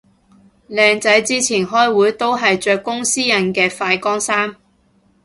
靚仔之前開會都係着公司印嘅快乾衫